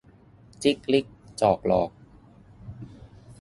จิกลิกจอกหลอก